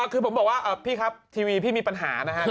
คือผมบอกว่าพี่ครับทีวีพี่มีปัญหานะครับ